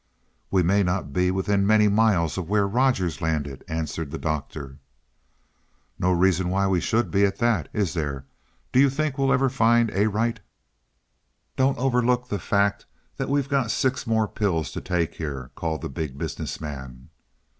"We may not be within many miles of where Rogers landed," answered the Doctor. "No reason why we should be, at that, is there? Do you think we'll ever find Arite?" "Don't overlook the fact we've got six more pills to take here," called the Big Business Man.